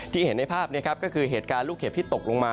เห็นในภาพก็คือเหตุการณ์ลูกเห็บที่ตกลงมา